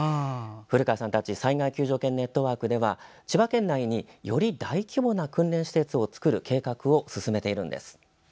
古川さんたち災害救助犬ネットワークでは千葉県内により大規模な訓練施設を作る計画を進めています。